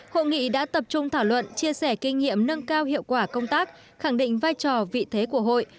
hội nghị đã tập trung thảo luận chia sẻ kinh nghiệm nâng cao hiệu quả công tác khẳng định vai trò vị thế của hội